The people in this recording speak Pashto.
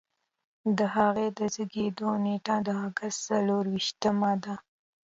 د هغه د زیږیدو نیټه د اګست څلور ویشتمه ده.